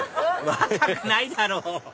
若くないだろ！